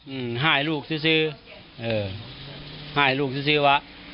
อืมห้ายลูกซื้อซื้อเออห้ายลูกซื้อซื้อว่า